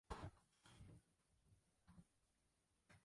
他的老师之一是后来为新教信仰而殉道的迪布尔。